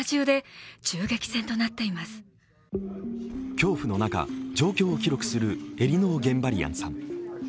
恐怖の中、状況を記録するエリノー・ゲンバリアンさん。